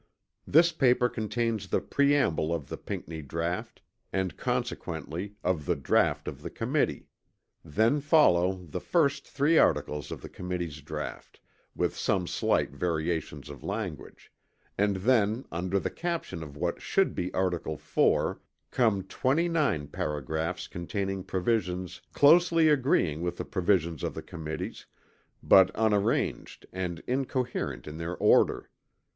This paper contains the preamble of the Pinckney draught, and, consequently, of the draught of the Committee. Then follow the first three articles of the Committee's draught, with some slight variations of language; and then under the caption of what should be article 4, come 29 paragraphs containing provisions closely agreeing with provisions in the Committee's but unarranged and incoherent in their order.